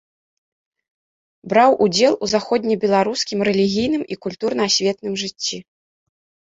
Браў удзел у заходнебеларускім рэлігійным і культурна-асветным жыцці.